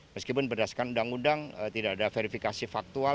meskipun berdasarkan undang undang tidak ada verifikasi faktual